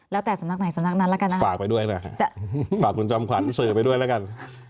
แล้วแต่สำนักไหนสำนักนั้นแล้วกันนะฝากไปด้วยนะฝากคุณจอมขวัญสื่อไปด้วยแล้วกัน